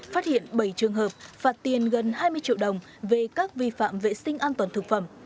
phát hiện bảy trường hợp phạt tiền gần hai mươi triệu đồng về các vi phạm vệ sinh an toàn thực phẩm